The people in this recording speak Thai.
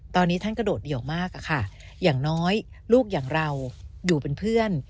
ตอนนี้ท่านกระโดดเดี่ยวมากอะค่ะอย่างน้อยลูกอย่างเราอยู่เป็นเพื่อน